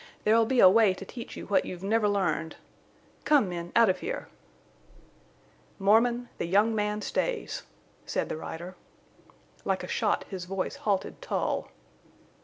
There'll be a way to teach you what you've never learned.... Come men out of here!" "Mormon, the young man stays," said the rider. Like a shot his voice halted Tull.